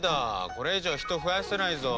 これ以上人増やせないぞ。